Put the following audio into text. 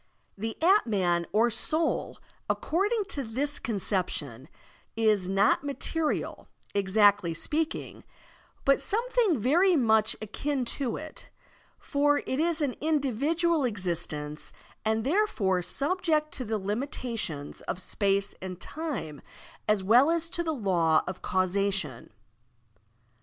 The dtman or soul, according to this conception, is not material, exactly speaking, but something very much akin to it, for it is an individual existence and there fore subject to the limitations of space and time as well as to the law of causation.